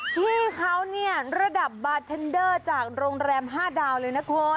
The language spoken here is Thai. พี่เขาเนี่ยระดับบาร์เทนเดอร์จากโรงแรม๕ดาวเลยนะคุณ